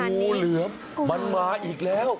งูเหลือมมันมาอีกแล้ว